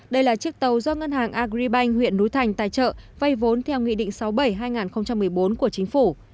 đây là chiếc tàu do ngân hàng agribank huyện núi thành tài trợ vay vốn theo nghị định sáu mươi bảy hai nghìn một mươi bốn của chính phủ